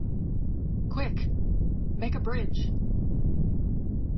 Quick! — Make a bridge!